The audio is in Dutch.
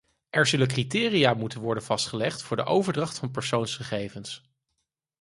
Er zullen criteria moeten worden vastgelegd voor de overdracht van persoonsgegevens.